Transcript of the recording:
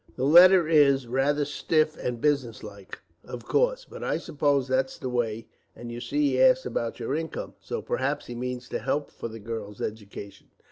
The letter is rather stiff and businesslike, of course, but I suppose that's his way; and you see he asks about your income, so perhaps he means to help for the girls' education.